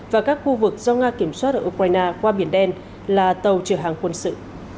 và các khu vực do nga kiểm soát ở ukraine qua biển đen là tàu chở hàng quân sự